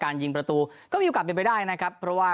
ยิงประตูก็มีโอกาสเป็นไปได้นะครับเพราะว่า